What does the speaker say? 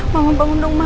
mama bangun dong mak